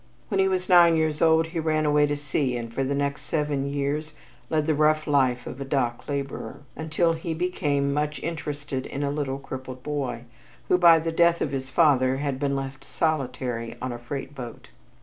When he was nine years old he ran away to sea and for the next seven years led the rough life of a dock laborer, until he became much interested in a little crippled boy, who by the death of his father had been left solitary on a freight boat.